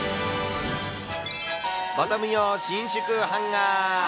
ボトム用伸縮ハンガー。